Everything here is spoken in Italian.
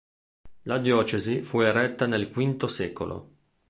La diocesi fu eretta nel V secolo.